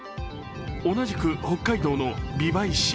同じく北海道の美唄市。